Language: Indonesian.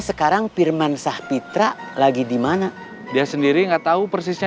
sampai jumpa di video selanjutnya